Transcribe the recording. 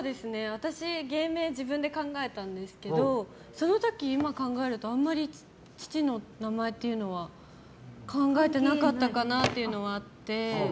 私、芸名は自分で考えたんですがその時、今考えるとあまり父の名前というのは考えてなかったかなというのはあって。